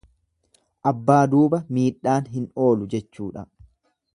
Abbaa duuba miidhaan hin oolu jechuudha.